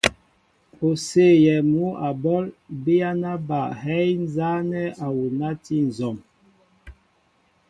O séyɛɛ mŭ a ɓɔl, biyana ba hɛy nzanɛɛ awuna a ti nzɔm.